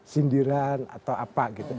sindiran atau apa gitu